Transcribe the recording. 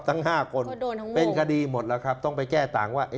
ทั้ง๕คนเป็นคดีหมดแล้วครับต้องไปแก้ต่างว่า